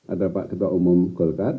ada pak ketua umum golkar